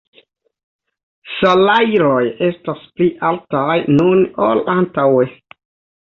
Salajroj estas pli altaj nun ol antaŭe.